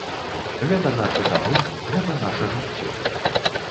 Гэта нашы дамы, гэта наша жыццё.